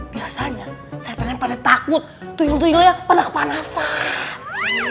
biasanya setannya pada takut tuyul tuyulnya pada kepanasan